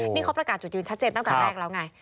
นี่เขาประกาศจุดยืนชัดเจนตั้งแต่แรกแล้วไง